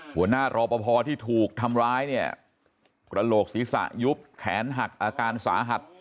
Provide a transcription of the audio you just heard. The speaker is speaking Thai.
รอปภที่ถูกทำร้ายเนี่ยกระโหลกศีรษะยุบแขนหักอาการสาหัส